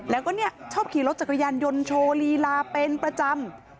แล้วก็ชอบขี่รถจักรยานยนต์โชว์ลีลาเป็นประจำ